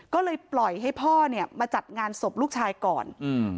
ก็เลยปล่อยให้พ่อเนี่ยมาจัดงานศพลูกชายก่อนอืม